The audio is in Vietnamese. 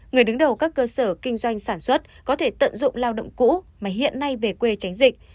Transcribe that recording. người đứng đầu các cơ sở kinh doanh sản xuất có thể tận dụng lao động cũ mà hiện nay về quê tránh dịch